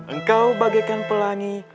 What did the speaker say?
engkau bagaikan pelangi